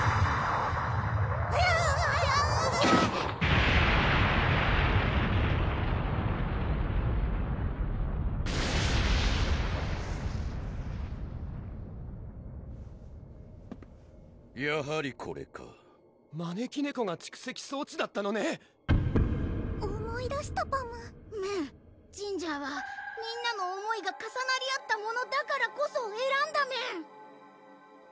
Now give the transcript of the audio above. ⁉あぁやはりこれか招き猫が蓄積装置だったのね思い出したパムメンジンジャーはみんなの思いが重なり合ったものだからこそえらんだメン